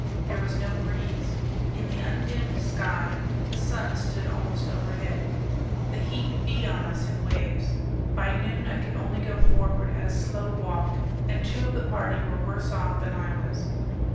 There was no breeze. In the undimmed sky the sun stood almost overhead. The heat beat on us in waves. By noon I could only go forward at a slow walk, and two of the party were worse off than I was.